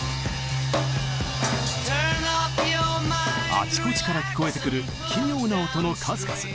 あちこちから聞こえてくる奇妙な音の数々。